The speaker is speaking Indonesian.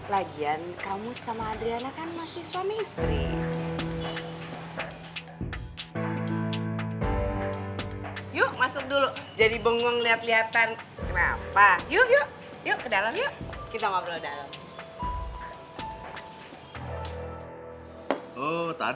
lagian kamu sama adriana kan masih suami istri yuk masuk dulu jadi bengong lihat lihatan